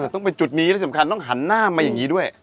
ต้องเป็นจุดนี้และสำคัญต้องหันหน้ามาอย่างนี้ด้วย